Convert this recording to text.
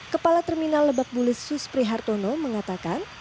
kepala terminal lebak bulus suspri hartono mengatakan